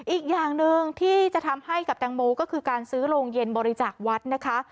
อีกอย่างหนึ่งที่จะทำให้กับแตงโมก็คือการซื้อโรงเย็นบริจาควัดนะคะ